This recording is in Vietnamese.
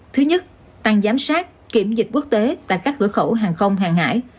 thứ nhất tăng giám sát kiểm dịch quốc tế tại các cửa khẩu hàng không hàng hải